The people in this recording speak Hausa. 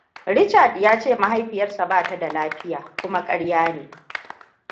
Richard ya ce mahaifiyarsa ba ta da lafiya, kuma karya ne.